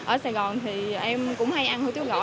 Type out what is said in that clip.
ở sài gòn thì em cũng hay ăn hủ tiếu gõ